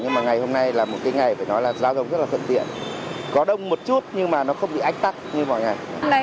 nhưng mà hôm nay cũng không nghĩ đến tắc đường chỉ nghĩ là đi sớm để khai giảng thôi